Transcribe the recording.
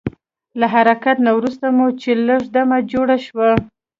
له حرکت نه وروسته مو چې لږ دمه جوړه شوه.